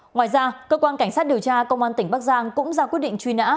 ngoài ra cơ quan cảnh sát điều tra công an tỉnh bắc giang cũng ra quyết định truy nã